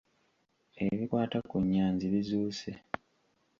Ebikwata ku Nyanzi bizuuse.